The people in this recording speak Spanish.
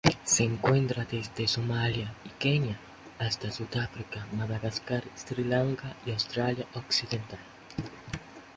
Se encuentra desde Somalia y Kenia hasta Sudáfrica, Madagascar, Sri Lanka y Australia Occidental.